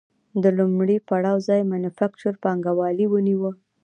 د لومړي پړاو ځای مینوفکچور پانګوالي ونیو